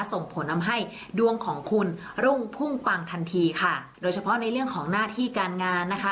ส่งผลทำให้ดวงของคุณรุ่งพุ่งปังทันทีค่ะโดยเฉพาะในเรื่องของหน้าที่การงานนะคะ